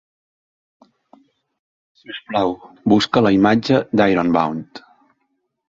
Si us plau, busca la imatge d'Ironbound.